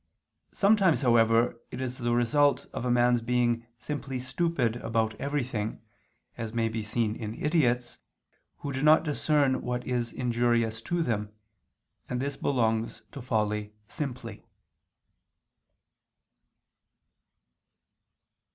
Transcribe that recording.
Sometimes however it is the result of a man's being simply stupid about everything, as may be seen in idiots, who do not discern what is injurious to them, and this belongs to folly simply.